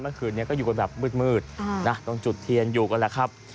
เมื่อคืนนี้ก็อยู่กันแบบมืดต้องจุดเทียนอยู่กันแหละครับ